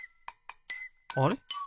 あれ？